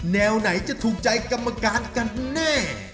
แนวไหนจะถูกใจกรรมการกันแน่